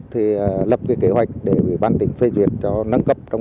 thì lập cái kế hoạch để ủy ban tỉnh phê duyệt cho nâng cấp